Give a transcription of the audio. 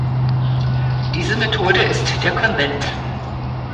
Diese Methode ist der Konvent.